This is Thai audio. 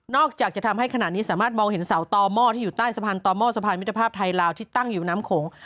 อกจากจะทำให้ขณะนี้สามารถมองเห็นเสาต่อหม้อที่อยู่ใต้สะพานต่อหม้อสะพานมิตรภาพไทยลาวที่ตั้งอยู่น้ำโขง